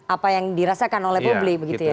apa yang dirasakan oleh publik begitu ya